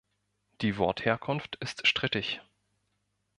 Die Wortherkunft ist strittig.